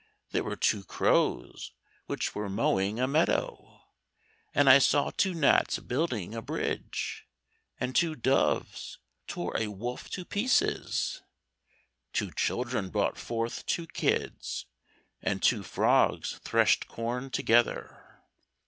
There were two crows which were mowing a meadow, and I saw two gnats building a bridge, and two doves tore a wolf to pieces; two children brought forth two kids, and two frogs threshed corn together.